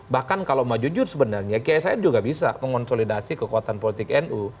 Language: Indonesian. bahkan kalau mau jujur sebenarnya kiai said juga bisa mengonsolidasi kekuatan politik nu